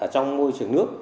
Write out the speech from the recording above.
trong môi trường nước